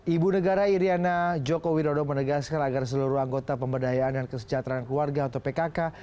ibu negara iryana joko widodo menegaskan agar seluruh anggota pemberdayaan dan kesejahteraan keluarga atau pkk